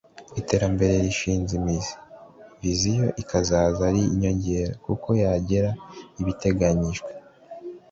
iterambere rishinze imizi, vision ikazaza ari inyongera, kuko yagera ibiteganyijwe